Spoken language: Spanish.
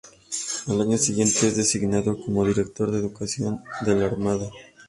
Al año siguiente es designado como director de Educación de la Armada.